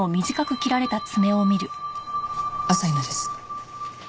朝日奈です。